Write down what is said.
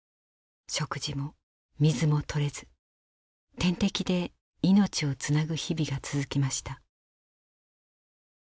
食事も水もとれず点滴で命をつなぐ日々が続きました。